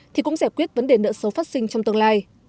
thì cũng giải quyết vấn đề nợ xấu phát sinh trong tương lai